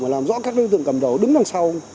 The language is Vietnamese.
và làm rõ các đối tượng cầm đầu đứng đằng sau